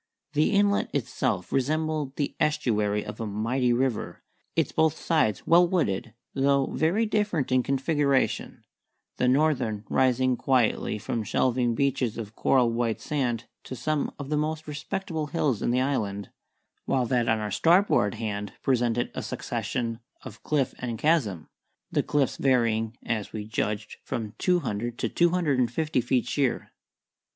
The inlet itself resembled the estuary of a mighty river, its both sides well wooded, though very different in configuration, the northern rising quietly from shelving beaches of coral white sand to some of the most respectable hills in the island, while that on our starboard hand presented a succession of cliff and chasm, the cliffs varying, as we judged, from two hundred to two hundred and fifty feet sheer.